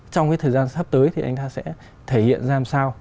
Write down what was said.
trong cái thời gian sắp tới thì anh ta sẽ thể hiện ra làm sao